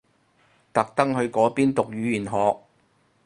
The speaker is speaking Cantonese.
特登去嗰邊讀語言學？